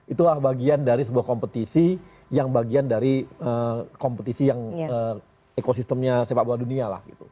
itulah bagian dari sebuah kompetisi yang bagian dari kompetisi yang ekosistemnya sepak bola dunia lah gitu